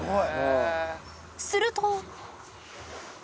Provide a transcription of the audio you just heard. すると。